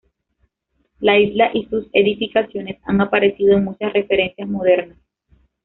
La isla y sus edificaciones han aparecido en muchas referencias modernas.